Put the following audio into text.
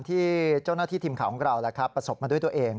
ที่เจ้าหน้าที่ทีมข่าวของเราประสบมาด้วยตัวเอง